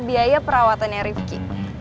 biaya perawatannya rifki